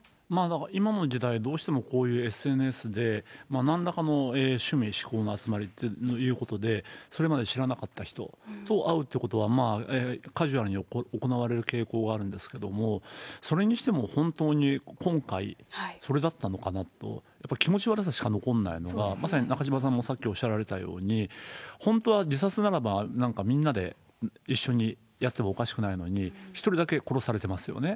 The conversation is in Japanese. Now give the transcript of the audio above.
今の時代、どうしてもこういうＳＮＳで、なんらかの趣味嗜好の集まりっていうことで、それまで知らなかった人と会うということがカジュアルに行われる傾向があるんですけれども、それにしても本当に今回、それだったのかなと、やっぱ気持ち悪さしか残らないのが、まさに中島さんもさっきおっしゃられたように、本当は自殺ならば、なんかみんなで一緒にやってもおかしくないのに、１人だけ殺されてますよね。